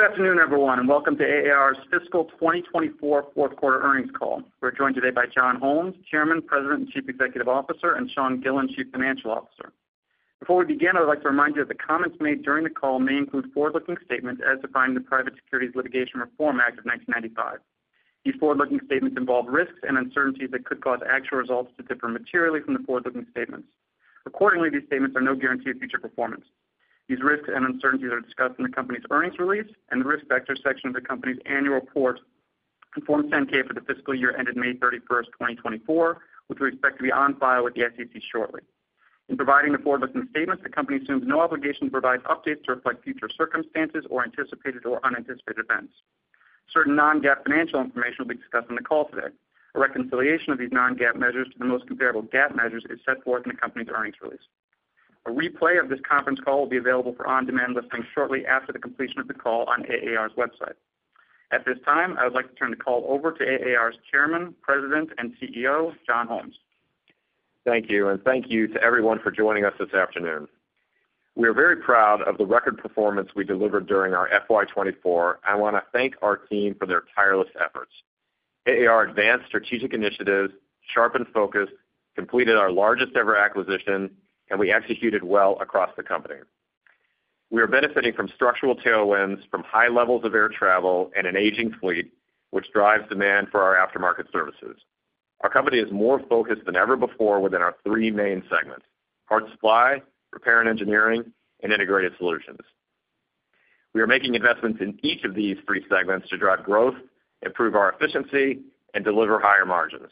Good afternoon, everyone, and Welcome to AAR's Fiscal 2024 Fourth Quarter Earnings Call. We're joined today by John Holmes, Chairman, President, and Chief Executive Officer, and Sean Gillen, Chief Financial Officer. Before we begin, I would like to remind you that the comments made during the call may include forward-looking statements as defined in the Private Securities Litigation Reform Act of 1995. These forward-looking statements involve risks and uncertainties that could cause actual results to differ materially from the forward-looking statements. Accordingly, these statements are no guarantee of future performance. These risks and uncertainties are discussed in the company's earnings release and the Risk Factors section of the company's annual report and Form 10-K for the fiscal year ended May 31st, 2024, which we expect to be on file with the SEC shortly. In providing the forward-looking statements, the company assumes no obligation to provide updates to reflect future circumstances or anticipated or unanticipated events. Certain non-GAAP financial information will be discussed on the call today. A reconciliation of these non-GAAP measures to the most comparable GAAP measures is set forth in the company's earnings release. A replay of this conference call will be available for on-demand listening shortly after the completion of the call on AAR's website. At this time, I would like to turn the call over to AAR's Chairman, President, and CEO, John Holmes. Thank you, and thank you to everyone for joining us this afternoon. We are very proud of the record performance we delivered during our FY 2024, and I want to thank our team for their tireless efforts. AAR advanced strategic initiatives, sharpened focus, completed our largest-ever acquisition, and we executed well across the company. We are benefiting from structural tailwinds, from high levels of air travel, and an aging fleet, which drives demand for our aftermarket services. Our company is more focused than ever before within our three main segments: Parts Supply, Repair and Engineering, and Integrated Solutions. We are making investments in each of these three segments to drive growth, improve our efficiency, and deliver higher margins.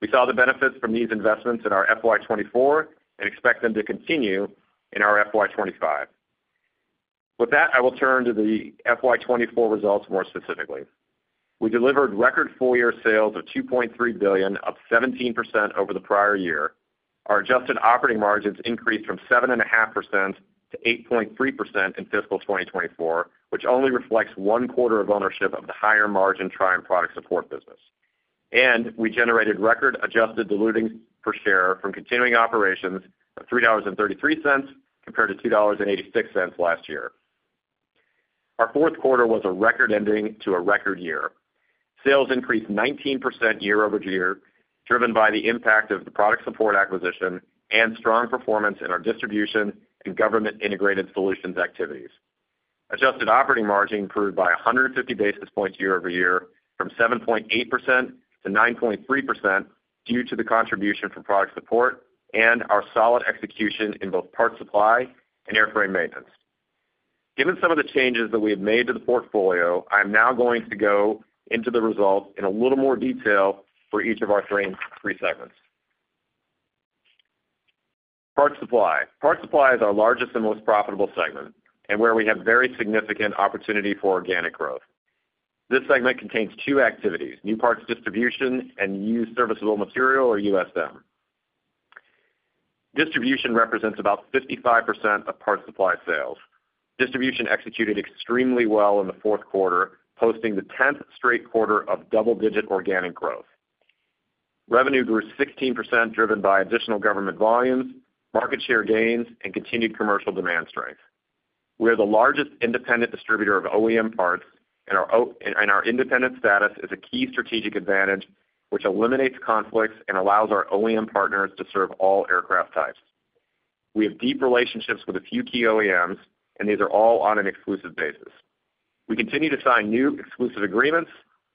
We saw the benefits from these investments in our FY 2024 and expect them to continue in our FY 2025. With that, I will turn to the FY 2024 results more specifically. We delivered record full-year sales of $2.3 billion, up 17% over the prior year. Our adjusted operating margins increased from 7.5% to 8.3% in fiscal 2024, which only reflects one quarter of ownership of the higher-margin Triumph product support business. We generated record adjusted diluted per share from continuing operations of $3.33 compared to $2.86 last year. Our fourth quarter was a record ending to a record year. Sales increased 19% year-over-year, driven by the impact of the product support acquisition and strong performance in our distribution and government Integrated Solutions activities. Adjusted operating margin improved by 150 basis points year-over-year from 7.8% to 9.3% due to the contribution from product support and our solid execution in both Parts Supply and Airframe Maintenance. Given some of the changes that we have made to the portfolio, I am now going to go into the results in a little more detail for each of our three segments. Parts supply. Parts supply is our largest and most profitable segment, and where we have very significant opportunity for organic growth. This segment contains two activities, new parts distribution and used serviceable material, or USM. Distribution represents about 55% of Parts Supply sales. Distribution executed extremely well in the fourth quarter, posting the 10th straight quarter of double-digit organic growth. Revenue grew 16%, driven by additional government volumes, market share gains, and continued commercial demand strength. We are the largest independent distributor of OEM parts, and our independent status is a key strategic advantage, which eliminates conflicts and allows our OEM partners to serve all aircraft types. We have deep relationships with a few key OEMs, and these are all on an exclusive basis. We continue to sign new exclusive agreements,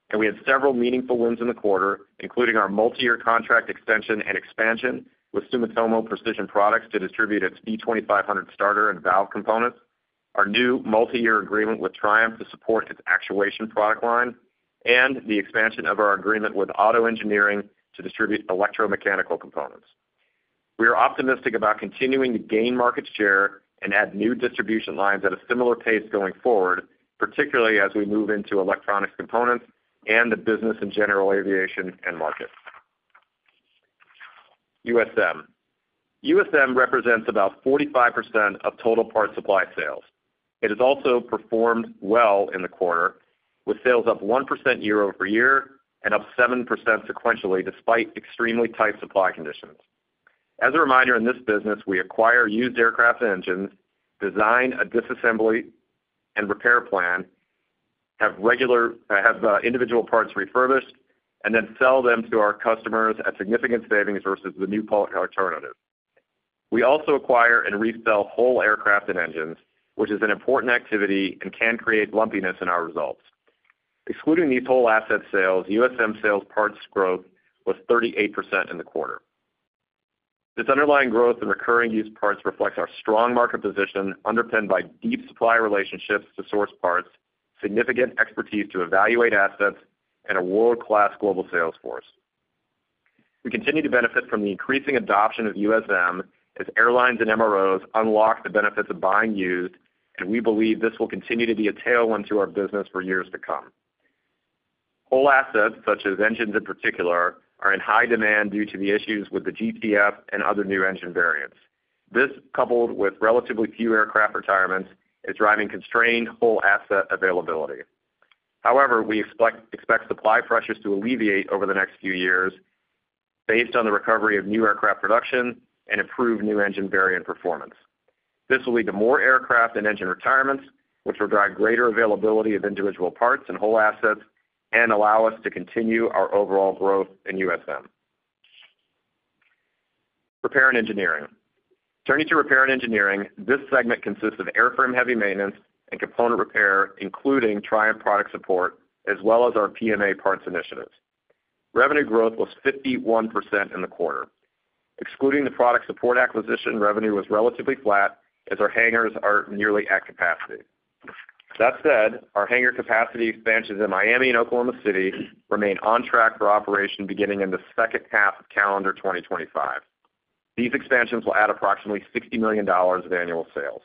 and we had several meaningful wins in the quarter, including our multiyear contract extension and expansion with Sumitomo Precision Products to distribute its V2500 starter and valve components, our new multiyear agreement with Triumph to support its actuation product line, and the expansion of our agreement with OTTO Engineering to distribute electromechanical components. We are optimistic about continuing to gain market share and add new distribution lines at a similar pace going forward, particularly as we move into electronics components and the business and general aviation end market. USM. USM represents about 45% of total Parts Supply sales. It has also performed well in the quarter, with sales up 1% year-over-year and up 7% sequentially, despite extremely tight supply conditions. As a reminder, in this business, we acquire used aircraft engines, design a disassembly and repair plan, have individual parts refurbished, and then sell them to our customers at significant savings versus the new part alternative. We also acquire and resell whole aircraft and engines, which is an important activity and can create lumpiness in our results. Excluding these whole asset sales, USM sales parts growth was 38% in the quarter. This underlying growth in recurring used parts reflects our strong market position, underpinned by deep supply relationships to source parts, significant expertise to evaluate assets, and a world-class global sales force. We continue to benefit from the increasing adoption of USM as airlines and MROs unlock the benefits of buying used, and we believe this will continue to be a tailwind to our business for years to come. Whole assets, such as engines in particular, are in high demand due to the issues with the GTF and other new engine variants. This, coupled with relatively few aircraft retirements, is driving constrained whole asset availability. However, we expect supply pressures to alleviate over the next few years based on the recovery of new aircraft production and improved new engine variant performance. This will lead to more aircraft and engine retirements, which will drive greater availability of individual parts and whole assets and allow us to continue our overall growth in USM, Repair and Engineering. Turning to Repair and Engineering, this segment consists of airframe heavy maintenance and component repair, including Triumph Product Support, as well as our PMA parts initiatives. Revenue growth was 51% in the quarter. Excluding the product support acquisition, revenue was relatively flat as our hangars are nearly at capacity. That said, our hangar capacity expansions in Miami and Oklahoma City remain on track for operation beginning in the second half of calendar 2025. These expansions will add approximately $60 million of annual sales.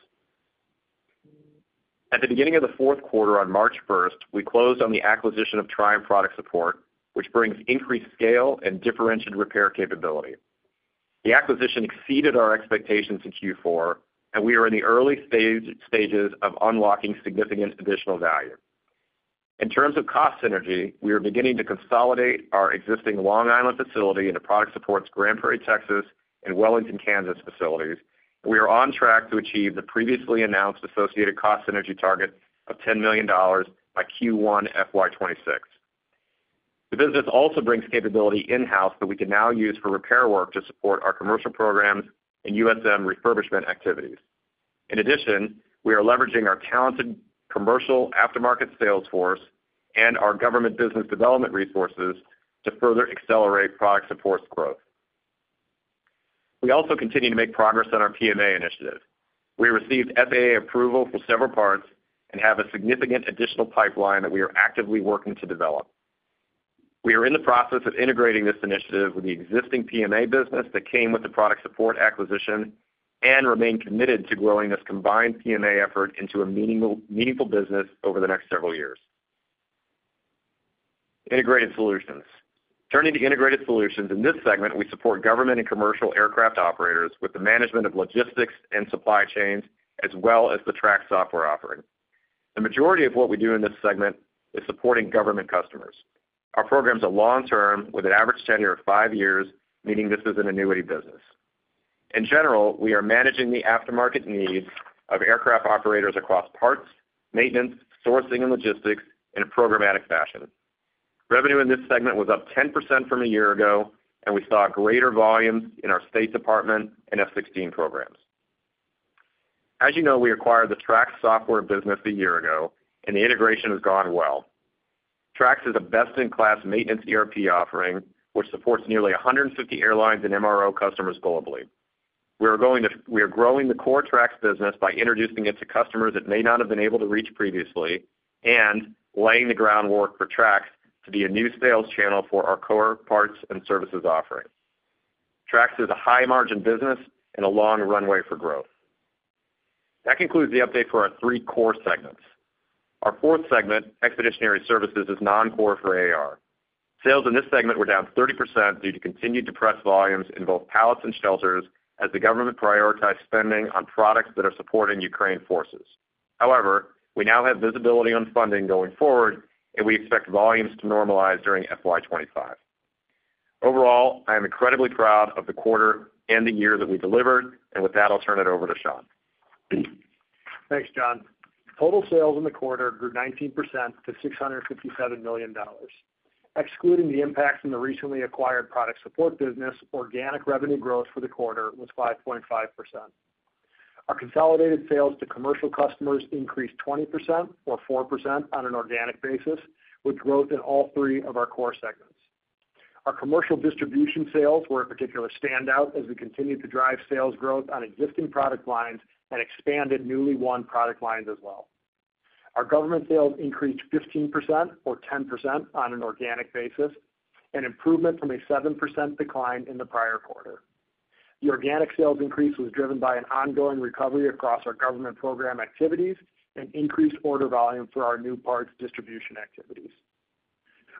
At the beginning of the fourth quarter, on March 1st, we closed on the acquisition of Triumph Product Support, which brings increased scale and differentiated repair capability. The acquisition exceeded our expectations in Q4, and we are in the early stages of unlocking significant additional value. In terms of cost synergy, we are beginning to consolidate our existing Long Island facility into Product Support's Grand Prairie, Texas, and Wellington, Kansas, facilities, and we are on track to achieve the previously announced associated cost synergy target of $10 million by Q1 FY 2026. The business also brings capability in-house that we can now use for repair work to support our commercial programs and USM refurbishment activities. In addition, we are leveraging our talented commercial aftermarket sales force and our government business development resources to further accelerate Product Support's growth. We also continue to make progress on our PMA initiative. We received FAA approval for several parts and have a significant additional pipeline that we are actively working to develop. We are in the process of integrating this initiative with the existing PMA business that came with the product support acquisition and remain committed to growing this combined PMA effort into a meaningful, meaningful business over the next several years. Integrated Solutions. Turning to Integrated Solutions, in this segment, we support government and commercial aircraft operators with the management of logistics and supply chains, as well as the Trax software offering. The majority of what we do in this segment is supporting government customers. Our programs are long term, with an average tenure of five years, meaning this is an annuity business. In general, we are managing the aftermarket needs of aircraft operators across parts, maintenance, sourcing, and logistics in a programmatic fashion. Revenue in this segment was up 10% from a year ago, and we saw greater volumes in our State Department and F-16 programs. As you know, we acquired the Trax software business a year ago, and the integration has gone well. Trax is a best-in-class maintenance ERP offering, which supports nearly 150 airlines and MRO customers globally. We are growing the core Trax business by introducing it to customers that may not have been able to reach previously and laying the groundwork for Trax to be a new sales channel for our core parts and services offerings. Trax is a high-margin business and a long runway for growth. That concludes the update for our three core segments. Our fourth segment, Expeditionary Services, is non-core for AAR. Sales in this segment were down 30% due to continued depressed volumes in both pallets and shelters as the government prioritized spending on products that are supporting Ukraine forces. However, we now have visibility on funding going forward, and we expect volumes to normalize during FY 2025. Overall, I am incredibly proud of the quarter and the year that we delivered, and with that, I'll turn it over to Sean. Thanks, John. Total sales in the quarter grew 19% to $657 million. Excluding the impacts from the recently acquired product support business, organic revenue growth for the quarter was 5.5%. Our consolidated sales to commercial customers increased 20%, or 4% on an organic basis, with growth in all three of our core segments. Our commercial distribution sales were a particular standout as we continued to drive sales growth on existing product lines and expanded newly won product lines as well. Our government sales increased 15%, or 10% on an organic basis, an improvement from a 7% decline in the prior quarter. The organic sales increase was driven by an ongoing recovery across our government program activities and increased order volume for our new parts distribution activities.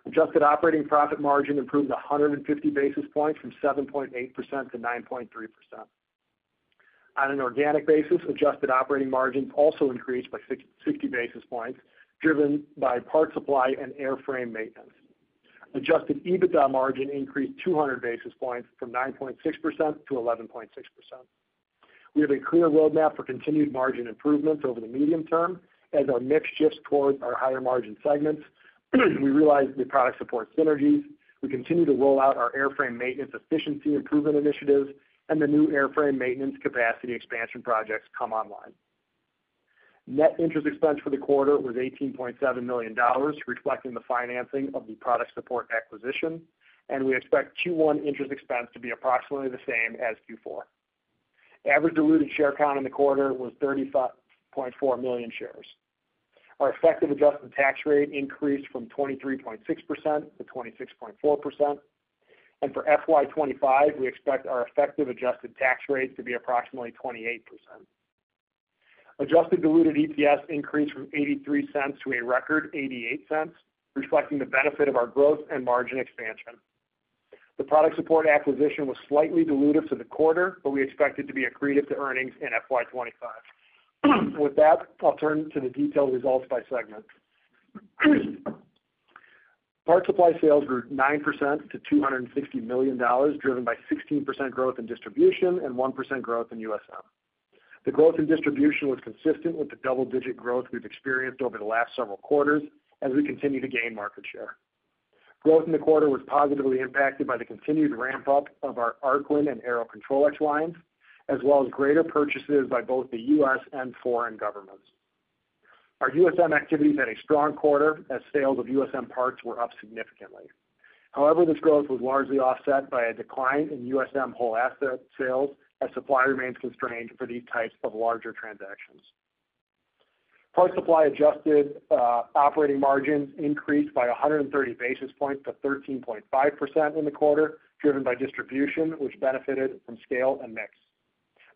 Adjusted operating profit margin improved 150 basis points from 7.8% to 9.3%. On an organic basis, adjusted operating margins also increased by 60 basis points, driven by Parts Supply and Airframe Maintenance. Adjusted EBITDA margin increased 200 basis points from 9.6% to 11.6%. We have a clear roadmap for continued margin improvements over the medium term as our mix shifts towards our higher-margin segments, we realize the product support synergies, we continue to roll out our airframe maintenance efficiency improvement initiatives, and the new airframe maintenance capacity expansion projects come online. Net interest expense for the quarter was $18.7 million, reflecting the financing of the product support acquisition, and we expect Q1 interest expense to be approximately the same as Q4. Average diluted share count in the quarter was 35.4 million shares. Our effective adjusted tax rate increased from 23.6% to 26.4%, and for FY 2025, we expect our effective adjusted tax rate to be approximately 28%. Adjusted diluted EPS increased from $0.83 to a record $0.88, reflecting the benefit of our growth and margin expansion. The product support acquisition was slightly dilutive to the quarter, but we expect it to be accretive to earnings in FY 2025. With that, I'll turn to the detailed results by segment. Parts Supply sales were nine percent to $260 million, driven by 16% growth in distribution and 1% growth in USM. The growth in distribution was consistent with the double-digit growth we've experienced over the last several quarters as we continue to gain market share. Growth in the quarter was positively impacted by the continued ramp-up of our Arkwin and Aerocontrolex lines, as well as greater purchases by both the U.S. and foreign governments. Our USM activities had a strong quarter, as sales of USM parts were up significantly. However, this growth was largely offset by a decline in USM whole asset sales, as supply remains constrained for these types of larger transactions. Parts Supply adjusted operating margins increased by 100 basis points to 13.5% in the quarter, driven by distribution, which benefited from scale and mix.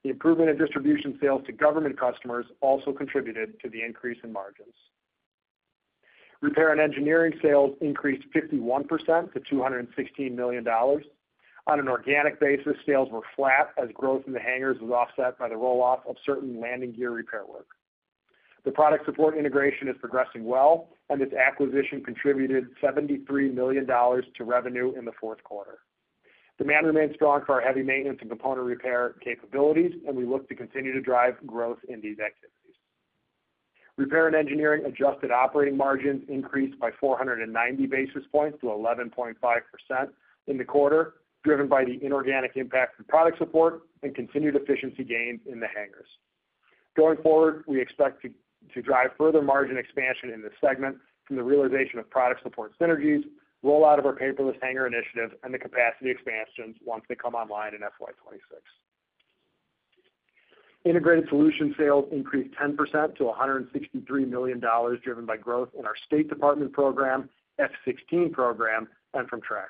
The improvement in distribution sales to government customers also contributed to the increase in margins. Repair and Engineering sales increased 51% to $216 million. On an organic basis, sales were flat as growth in the hangars was offset by the roll-off of certain landing gear repair work. The product support integration is progressing well, and this acquisition contributed $73 million to revenue in the fourth quarter. Demand remains strong for our heavy maintenance and component repair capabilities, and we look to continue to drive growth in these activities. Repair and Engineering adjusted operating margins increased by 490 basis points to 11.5% in the quarter, driven by the inorganic impact from product support and continued efficiency gains in the hangars. Going forward, we expect to drive further margin expansion in this segment from the realization of product support synergies, rollout of our paperless hangar initiative, and the capacity expansions once they come online in FY 2026. Integrated Solutions sales increased 10% to $163 million, driven by growth in our State Department program, F-16 program, and from Trax.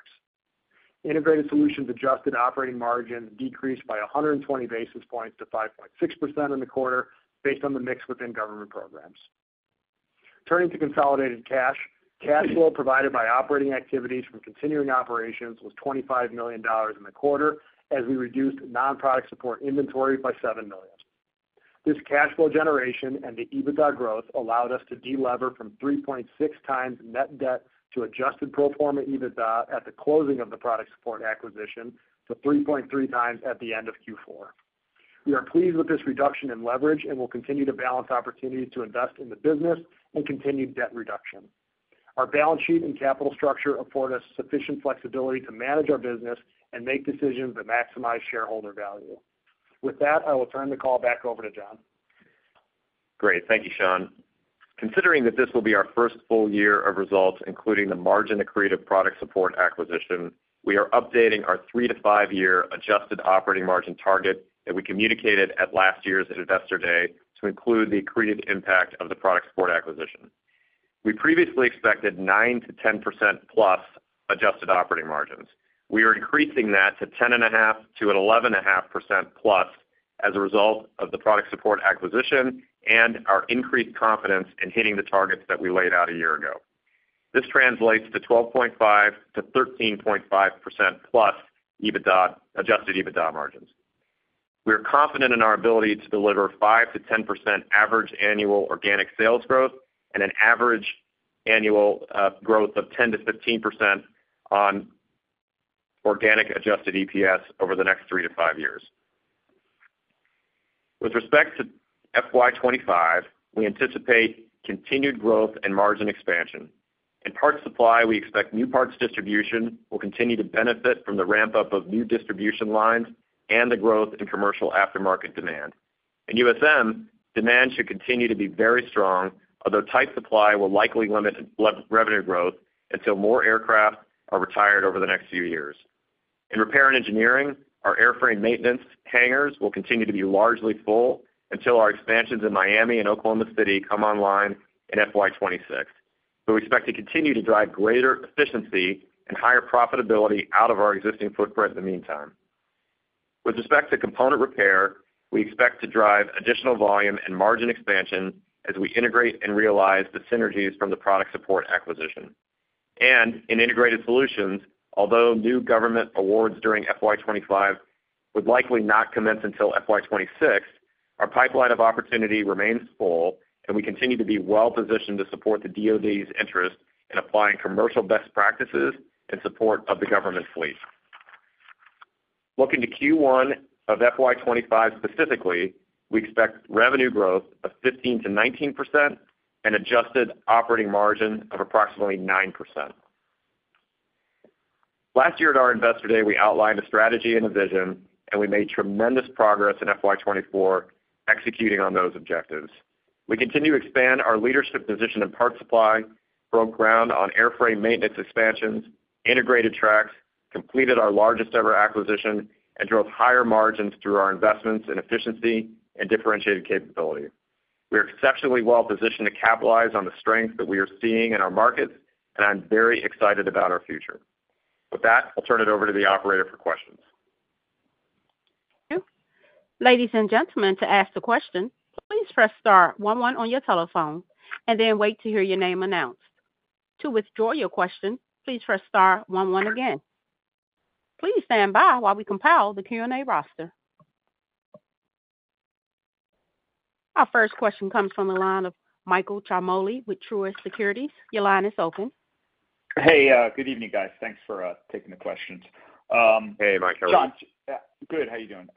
Integrated Solutions adjusted operating margin decreased by 120 basis points to 5.6% in the quarter, based on the mix within government programs. Turning to consolidated cash, cash flow provided by operating activities from continuing operations was $25 million in the quarter as we reduced non-product support inventory by $7 million. This cash flow generation and the EBITDA growth allowed us to de-lever from 3.6x net debt to adjusted pro forma EBITDA at the closing of the product support acquisition to 3.3x at the end of Q4. We are pleased with this reduction in leverage and will continue to balance opportunities to invest in the business and continue debt reduction. Our balance sheet and capital structure afford us sufficient flexibility to manage our business and make decisions that maximize shareholder value. With that, I will turn the call back over to John. Great. Thank you, Sean. Considering that this will be our first full year of results, including the margin accretive product support acquisition, we are updating our 3-5 year adjusted operating margin target that we communicated at last year's Investor Day to include the accretive impact of the product support acquisition. We previously expected 9%-10%+ adjusted operating margins. We are increasing that to 10.5%-11.5%+ as a result of the product support acquisition and our increased confidence in hitting the targets that we laid out a year ago. This translates to 12.5%-13.5%+ adjusted EBITDA margins. We're confident in our ability to deliver 5%-10% average annual organic sales growth and an average annual growth of 10%-15% on organic adjusted EPS over the next 3-5 years. With respect to FY 2025, we anticipate continued growth and margin expansion. In Parts Supply, we expect new parts distribution will continue to benefit from the ramp-up of new distribution lines and the growth in commercial aftermarket demand. In USM, demand should continue to be very strong, although tight supply will likely limit revenue growth until more aircraft are retired over the next few years. In Repair and Engineering, our airframe maintenance hangars will continue to be largely full until our expansions in Miami and Oklahoma City come online in FY 2026. We expect to continue to drive greater efficiency and higher profitability out of our existing footprint in the meantime. With respect to component repair, we expect to drive additional volume and margin expansion as we integrate and realize the synergies from the product support acquisition. In integrated solutions, although new government awards during FY 2025 would likely not commence until FY 2026, our pipeline of opportunity remains full, and we continue to be well positioned to support the DoD's interest in applying commercial best practices in support of the government fleet. Looking to Q1 of FY 2025 specifically, we expect revenue growth of 15%-19% and adjusted operating margin of approximately 9%. Last year at our Investor Day, we outlined a strategy and a vision, and we made tremendous progress in FY 2024, executing on those objectives. We continue to expand our leadership position in Parts Supply, broke ground on airframe maintenance expansions, integrated Trax, completed our largest ever acquisition, and drove higher margins through our investments in efficiency and differentiated capability. We are exceptionally well positioned to capitalize on the strength that we are seeing in our markets, and I'm very excited about our future. With that, I'll turn it over to the operator for questions. Ladies and gentlemen, to ask a question, please press star one one on your telephone, and then wait to hear your name announced. To withdraw your question, please press star one one again. Please stand by while we compile the Q&A roster. Our first question comes from the line of Michael Ciarmoli with Truist Securities. Your line is open. Hey, good evening, guys. Thanks for taking the questions. Hey, Mike, how are you? John, yeah, good. How are you doing?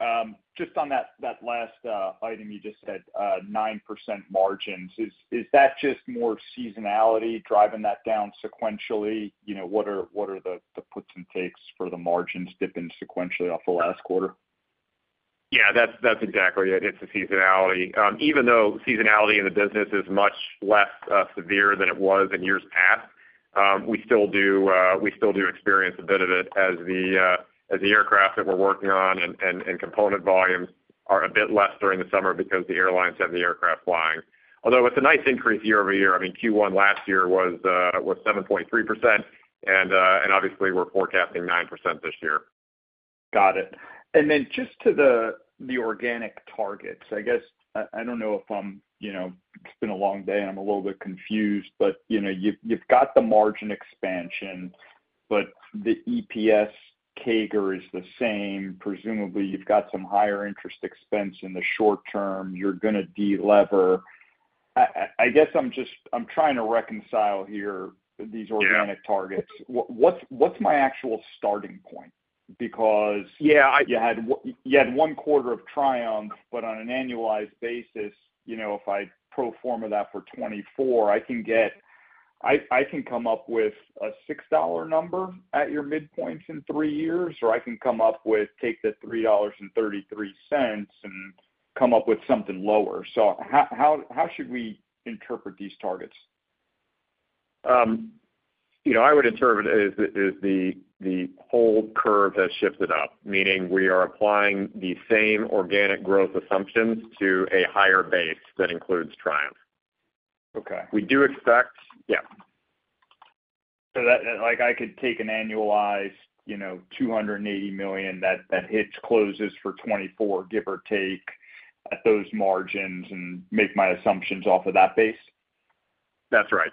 Just on that, that last item, you just said 9% margins. Is, is that just more seasonality driving that down sequentially? You know, what are, what are the, the puts and takes for the margin dipping sequentially off the last quarter? Yeah, that's, that's exactly it. It's the seasonality. Even though seasonality in the business is much less severe than it was in years past, we still do, we still do experience a bit of it as the, as the aircraft that we're working on and component volumes are a bit less during the summer because the airlines have the aircraft flying. Although it's a nice increase year-over-year. I mean, Q1 last year was, was 7.3%, and obviously we're forecasting 9% this year. Got it. And then just to the organic targets, I guess. I don't know if I'm... You know, it's been a long day, and I'm a little bit confused, but, you know, you've got the margin expansion, but the EPS CAGR is the same. Presumably, you've got some higher interest expense in the short term. You're gonna de-lever. I guess I'm just trying to reconcile here, these organic- Yeah -targets. What’s my actual starting point? Because- Yeah, I- You had one quarter of Triumph, but on an annualized basis, you know, if I pro forma that for 2024, I can come up with a $6 number at your midpoints in three years, or I can come up with, take the $3.33 and come up with something lower. So how should we interpret these targets? You know, I would interpret it as the whole curve has shifted up, meaning we are applying the same organic growth assumptions to a higher base that includes Triumph. Okay. We do expect... Yeah. So that, like, I could take an annualized, you know, $280 million, that, that hits closes for 2024, give or take, at those margins, and make my assumptions off of that base? That's right.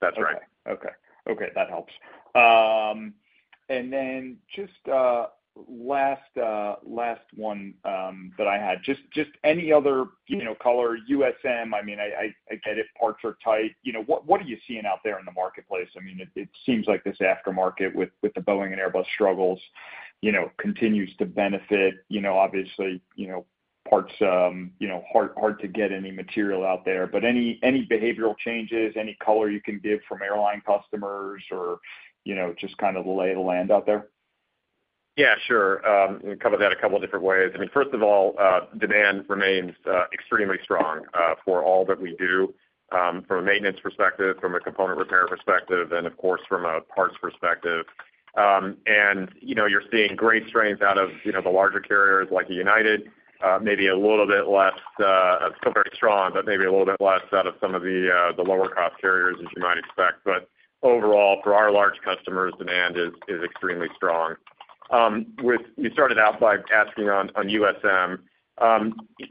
That's right. Okay. Okay, that helps. And then just last one that I had, just any other, you know, color, USM, I mean, I get it, parts are tight. You know, what are you seeing out there in the marketplace? I mean, it seems like this aftermarket with the Boeing and Airbus struggles, you know, continues to benefit, you know, obviously, you know, parts, you know, hard to get any material out there. But any behavioral changes, any color you can give from airline customers or, you know, just kind of the lay of the land out there? Yeah, sure. I'll cover that a couple of different ways. I mean, first of all, demand remains extremely strong for all that we do from a maintenance perspective, from a component repair perspective, and of course, from a parts perspective. And, you know, you're seeing great strength out of, you know, the larger carriers like United, maybe a little bit less, still very strong, but maybe a little bit less out of some of the lower-cost carriers, as you might expect. But overall, for our large customers, demand is extremely strong. With you started out by asking on USM.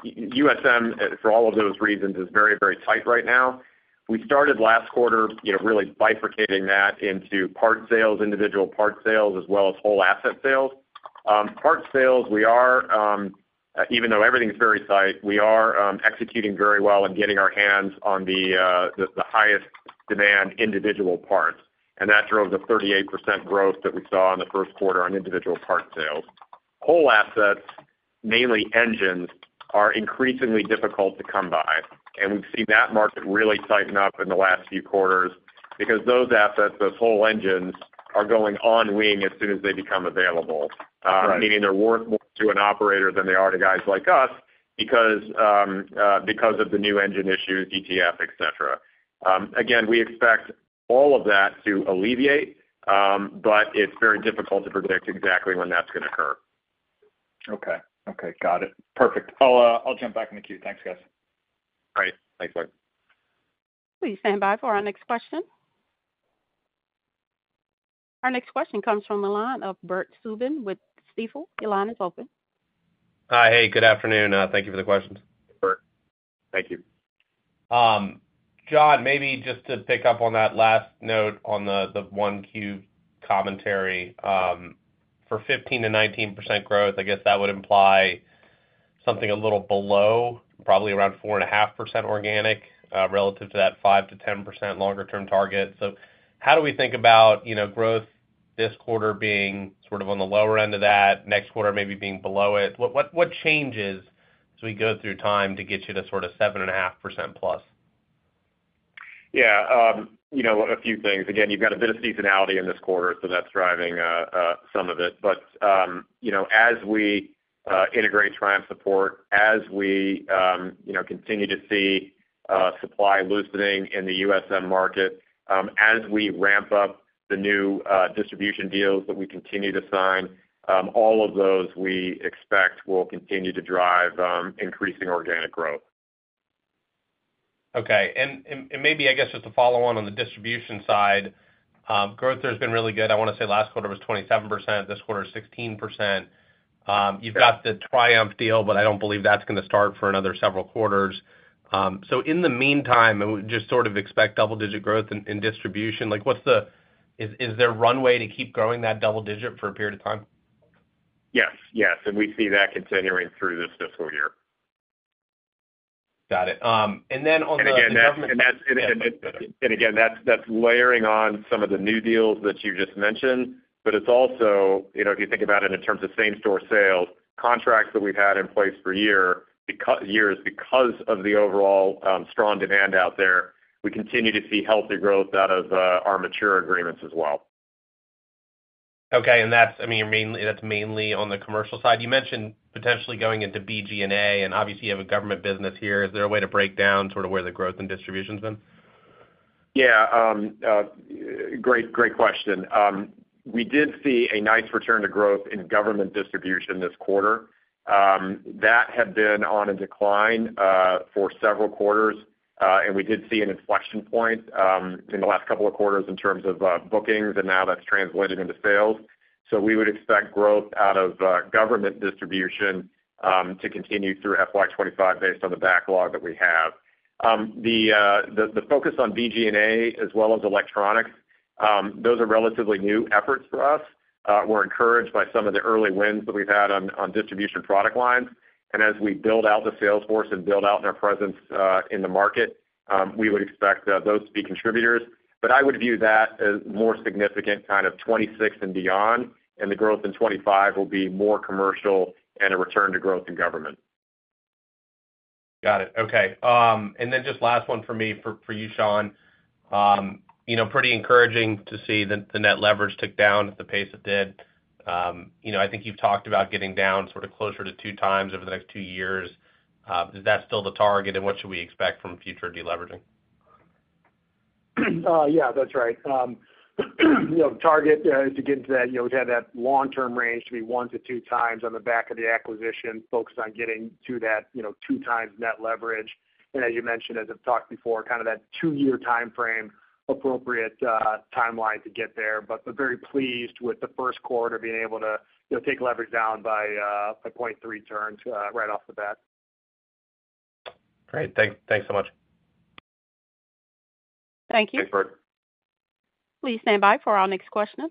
USM, for all of those reasons, is very, very tight right now. We started last quarter, you know, really bifurcating that into parts sales, individual parts sales, as well as whole asset sales. Parts sales, we are, even though everything is very tight, we are, executing very well and getting our hands on the highest demand individual parts, and that drove the 38% growth that we saw in the first quarter on individual parts sales. Whole assets, mainly engines, are increasingly difficult to come by, and we've seen that market really tighten up in the last few quarters because those assets, those whole engines, are going on wing as soon as they become available. Right. Meaning they're worth more to an operator than they are to guys like us because of the new engine issues, GTF, et cetera. Again, we expect all of that to alleviate, but it's very difficult to predict exactly when that's going to occur. Okay. Okay, got it. Perfect. I'll jump back in the queue. Thanks, guys. Great. Thanks, Mike. Please stand by for our next question. Our next question comes from the line of Bert Subin with Stifel. Your line is open. Hi. Hey, good afternoon. Thank you for the questions. Bert, thank you. John, maybe just to pick up on that last note on the 1Q commentary. For 15%-19% growth, I guess that would imply something a little below, probably around 4.5% organic, relative to that 5%-10% longer term target. So how do we think about, you know, growth this quarter being sort of on the lower end of that, next quarter maybe being below it? What changes as we go through time to get you to sort of 7.5%+? Yeah, you know, a few things. Again, you've got a bit of seasonality in this quarter, so that's driving some of it. But, you know, as we integrate Triumph support, as we, you know, continue to see supply loosening in the USM market, as we ramp up the new distribution deals that we continue to sign, all of those we expect will continue to drive increasing organic growth. Okay, maybe, I guess, just to follow on the distribution side, growth there has been really good. I wanna say last quarter was 27%, this quarter, 16%. You've got the Triumph deal, but I don't believe that's gonna start for another several quarters. So in the meantime, just sort of expect double-digit growth in distribution? Like, is there runway to keep growing that double digit for a period of time? Yes. Yes, and we see that continuing through this fiscal year. Got it. And then on the- And again, that's layering on some of the new deals that you just mentioned. But it's also, you know, if you think about it in terms of same-store sales, contracts that we've had in place for years, because of the overall strong demand out there, we continue to see healthy growth out of our mature agreements as well. Okay. And that's, I mean, mainly, that's mainly on the commercial side. You mentioned potentially going into BG&A, and obviously, you have a government business here. Is there a way to break down sort of where the growth and distribution's been? Yeah, great, great question. We did see a nice return to growth in government distribution this quarter. That had been on a decline for several quarters, and we did see an inflection point in the last couple of quarters in terms of bookings, and now that's translated into sales. So we would expect growth out of government distribution to continue through FY 2025 based on the backlog that we have. The focus on BG&A as well as electronics, those are relatively new efforts for us. We're encouraged by some of the early wins that we've had on distribution product lines, and as we build out the sales force and build out our presence in the market, we would expect those to be contributors. But I would view that as more significant, kind of 2026 and beyond, and the growth in 2025 will be more commercial and a return to growth in government. Got it. Okay. And then just last one for me, for you, Sean. You know, pretty encouraging to see the net leverage tick down at the pace it did. You know, I think you've talked about getting down sort of closer to 2x over the next two years. Is that still the target? And what should we expect from future deleveraging? Yeah, that's right. You know, target is to get into that, you know, to have that long-term range to be 1x-2x on the back of the acquisition, focused on getting to that, you know, 2x net leverage. And as you mentioned, as I've talked before, kind of that two year timeframe, appropriate timeline to get there. But very pleased with the first quarter, being able to, you know, take leverage down by 0.3x turns right off the bat. Great. Thanks so much. Thank you. Thanks, Bert. Please stand by for our next question.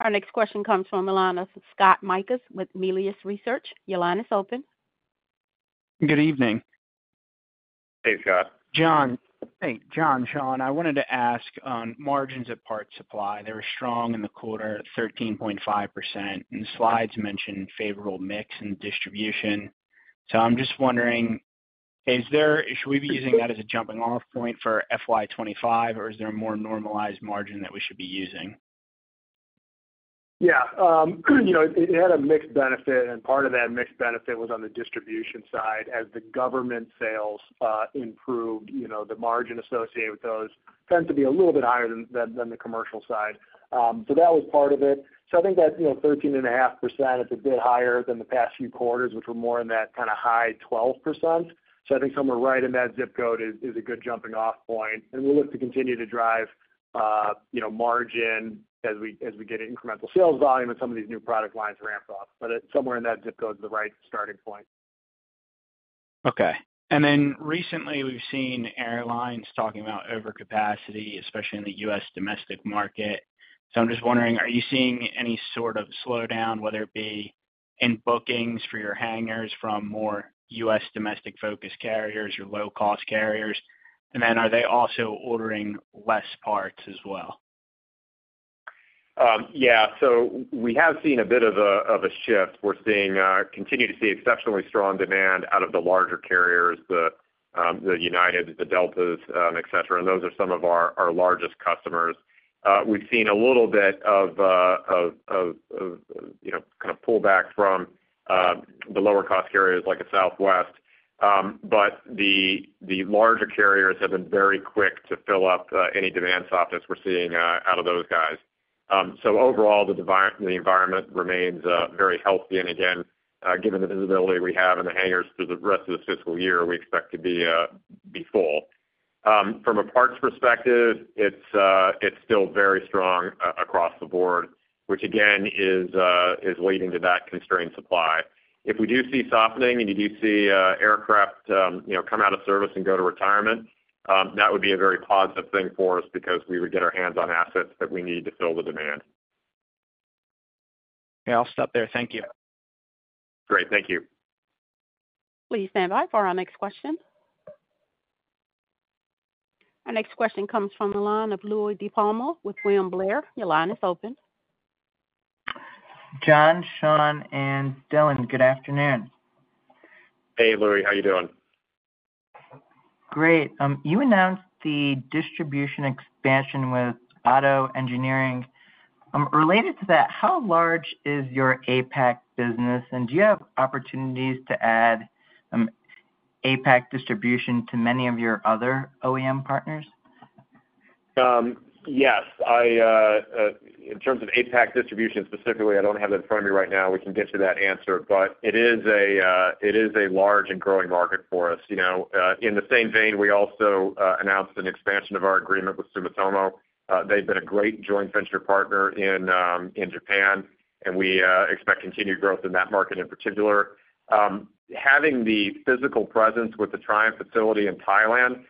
Our next question comes from the line of Scott Mikus with Melius Research. Your line is open. Good evening. Hey, Scott. John. Hey, John, Sean, I wanted to ask on margins of Parts Supply. They were strong in the quarter, 13.5%, and the slides mentioned favorable mix and distribution. So I'm just wondering, should we be using that as a jumping off point for FY 2025, or is there a more normalized margin that we should be using? Yeah, you know, it had a mixed benefit, and part of that mixed benefit was on the distribution side. As the government sales improved, you know, the margin associated with those tend to be a little bit higher than the commercial side. So that was part of it. So I think that, you know, 13.5% is a bit higher than the past few quarters, which were more in that kind of high 12%. So I think somewhere right in that zip code is a good jumping off point, and we'll look to continue to drive, you know, margin as we get incremental sales volume and some of these new product lines ramped up. But it's somewhere in that zip code is the right starting point. Okay. And then recently, we've seen airlines talking about overcapacity, especially in the U.S. domestic market. So I'm just wondering, are you seeing any sort of slowdown, whether it be in bookings for your hangars from more U.S. domestic-focused carriers or low-cost carriers? And then are they also ordering less parts as well? Yeah. So we have seen a bit of a shift. We continue to see exceptionally strong demand out of the larger carriers, the United, the Deltas, et cetera, and those are some of our largest customers. We've seen a little bit of, you know, kind of pull back from the lower-cost carriers like Southwest. But the larger carriers have been very quick to fill up any demand softness we're seeing out of those guys. So overall, the environment remains very healthy, and again, given the visibility we have in the hangars through the rest of this fiscal year, we expect to be full. From a parts perspective, it's still very strong across the board, which again is leading to that constrained supply. If we do see softening and you do see aircraft, you know, come out of service and go to retirement, that would be a very positive thing for us because we would get our hands on assets that we need to fill the demand. Yeah, I'll stop there. Thank you. Great. Thank you. Please stand by for our next question. Our next question comes from the line of Louie DiPalma with William Blair. Your line is open. John, Sean, and Dylan, good afternoon. Hey, Louie, how you doing? Great. You announced the distribution expansion with OTTO Engineering. Related to that, how large is your APAC business, and do you have opportunities to add APAC distribution to many of your other OEM partners? Yes, I, in terms of APAC distribution specifically, I don't have that in front of me right now. We can get you that answer, but it is a large and growing market for us. You know, in the same vein, we also announced an expansion of our agreement with Sumitomo. They've been a great joint venture partner in Japan, and we expect continued growth in that market in particular. Having the physical presence with the Triumph facility in Thailand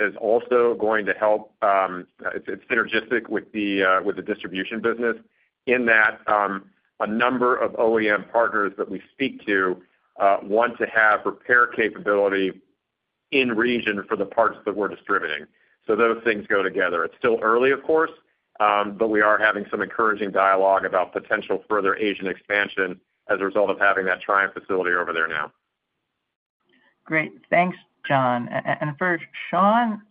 is also going to help. It's synergistic with the distribution business in that a number of OEM partners that we speak to want to have repair capability in region for the parts that we're distributing. So those things go together. It's still early, of course, but we are having some encouraging dialogue about potential further Asian expansion as a result of having that Triumph facility over there now. Great. Thanks, John. And for Sean,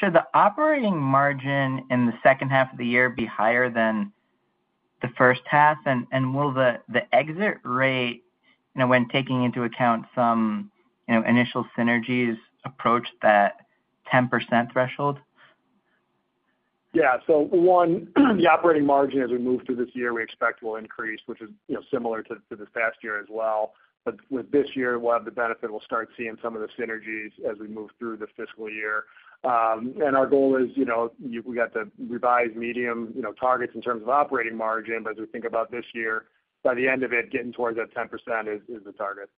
should the operating margin in the second half of the year be higher than the first half? And will the exit rate, you know, when taking into account some, you know, initial synergies, approach that 10% threshold? Yeah. So one, the operating margin as we move through this year, we expect will increase, which is, you know, similar to this past year as well. But with this year, we'll have the benefit, we'll start seeing some of the synergies as we move through the fiscal year. And our goal is, you know, we got to revise medium, you know, targets in terms of operating margin. But as we think about this year, by the end of it, getting towards that 10% is the target.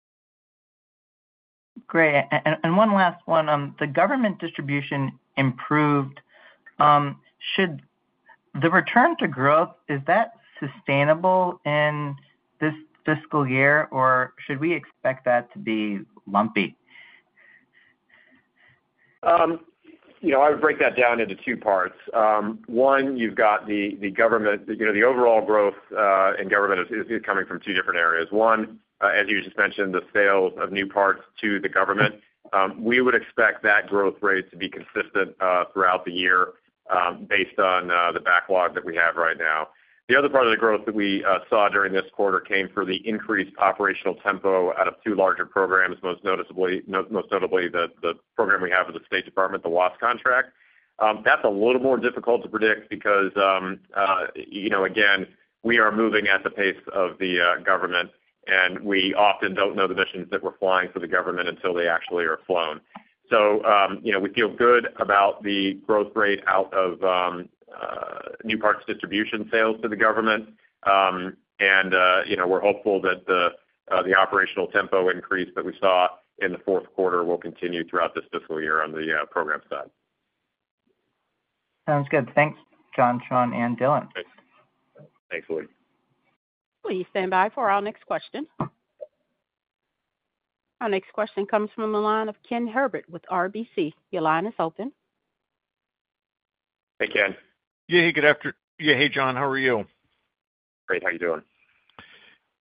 Great. And one last one. The government distribution improved, should the return to growth, is that sustainable in this fiscal year, or should we expect that to be lumpy? You know, I would break that down into two parts. One, you've got the government. You know, the overall growth in government is coming from two different areas. One, as you just mentioned, the sales of new parts to the government. We would expect that growth rate to be consistent throughout the year, based on the backlog that we have right now. The other part of the growth that we saw during this quarter came through the increased operational tempo out of two larger programs, most notably the program we have with the State Department, the WASS contract. That's a little more difficult to predict because, you know, again, we are moving at the pace of the government, and we often don't know the missions that we're flying for the government until they actually are flown. So, you know, we feel good about the growth rate out of new parts distribution sales to the government. And, you know, we're hopeful that the operational tempo increase that we saw in the fourth quarter will continue throughout this fiscal year on the program side. Sounds good. Thanks, John, Sean, and Dylan. Thanks, Louie. Please stand by for our next question. Our next question comes from the line of Ken Herbert with RBC. Your line is open. Hey, Ken. Yeah, hey, John, how are you? Great. How are you doing?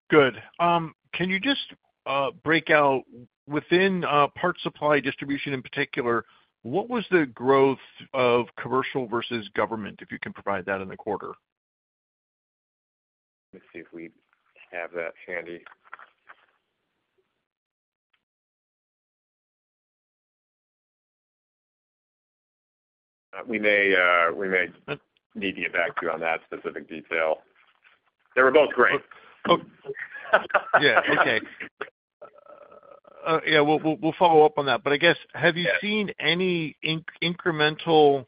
Good. Can you just break out within Parts Supply distribution in particular, what was the growth of commercial versus government, if you can provide that in the quarter? Let me see if we have that handy. We may, we may need to get back to you on that specific detail. They were both great. Yeah. Okay. Yeah, we'll follow up on that, but I guess- Yeah. Have you seen any incremental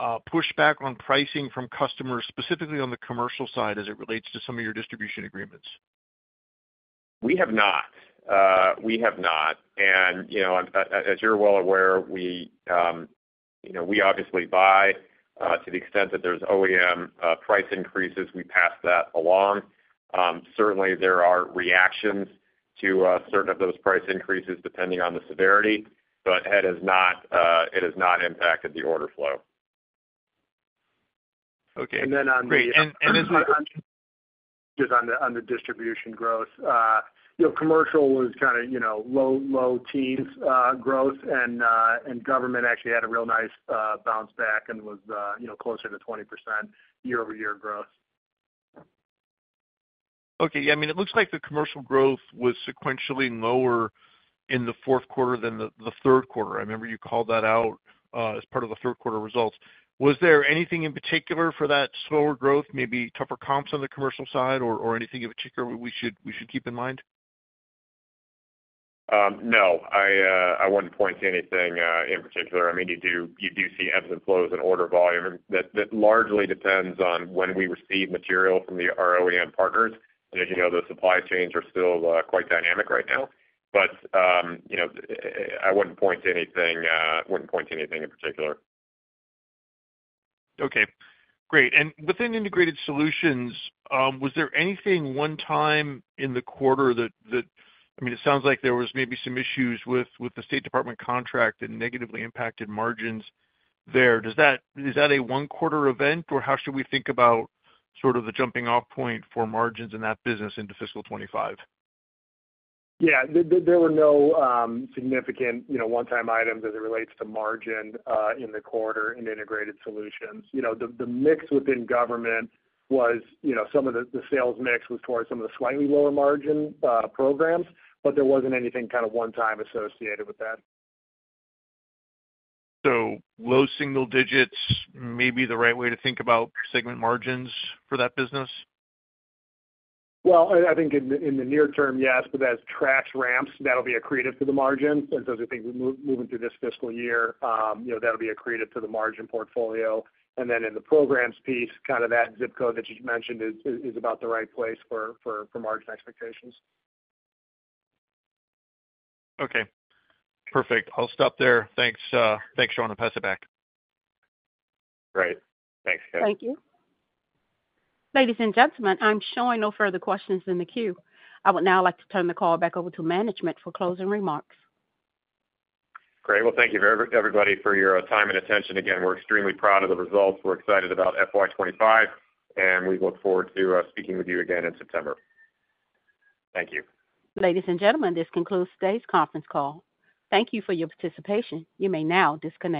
pushback on pricing from customers, specifically on the commercial side, as it relates to some of your distribution agreements? We have not. We have not. And, you know, as you're well aware, we, you know, we obviously buy, to the extent that there's OEM price increases, we pass that along. Certainly there are reactions to certain of those price increases, depending on the severity, but that has not, it has not impacted the order flow. Okay. And then on the- Great. And is the- Just on the distribution growth, you know, commercial was kind of, you know, low teens growth, and government actually had a real nice bounce back and was, you know, closer to 20% year-over-year growth. Okay. Yeah, I mean, it looks like the commercial growth was sequentially lower in the fourth quarter than the third quarter. I remember you called that out as part of the third quarter results. Was there anything in particular for that slower growth, maybe tougher comps on the commercial side or anything in particular we should keep in mind? No, I wouldn't point to anything in particular. I mean, you do, you do see ebbs and flows in order volume. That largely depends on when we receive material from our OEM partners. As you know, the supply chains are still quite dynamic right now. But you know, I wouldn't point to anything, wouldn't point to anything in particular. Okay, great. And within Integrated Solutions, was there anything one time in the quarter that... I mean, it sounds like there was maybe some issues with the State Department contract that negatively impacted margins there. Is that a one quarter event, or how should we think about sort of the jumping off point for margins in that business into fiscal 2025? Yeah, there were no significant, you know, one-time items as it relates to margin in the quarter in Integrated Solutions. You know, the mix within government was, you know, some of the sales mix was towards some of the slightly lower margin programs, but there wasn't anything kind of one-time associated with that. Low single digits may be the right way to think about segment margins for that business? Well, I think in the near term, yes, but as Trax ramps, that'll be accretive to the margin. So as I think we move, moving through this fiscal year, you know, that'll be accretive to the margin portfolio. And then in the programs piece, kind of that zip code that you mentioned is about the right place for margin expectations. Okay, perfect. I'll stop there. Thanks, thanks, Sean, and pass it back. Great. Thanks, Ken. Thank you. Ladies and gentlemen, I'm showing no further questions in the queue. I would now like to turn the call back over to management for closing remarks. Great. Well, thank you very much, everybody, for your time and attention. Again, we're extremely proud of the results. We're excited about FY 2025, and we look forward to speaking with you again in September. Thank you. Ladies and gentlemen, this concludes today's conference call. Thank you for your participation. You may now disconnect.